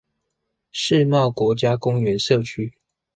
世貿國家公園社區